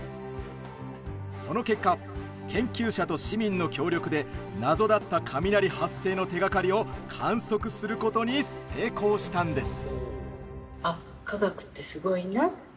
その結果、研究者と市民の協力で謎だった雷発生の手がかりを観測することに成功したんです。